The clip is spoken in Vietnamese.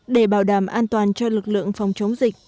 để bảo đảm an toàn cho lực lượng phòng chống dịch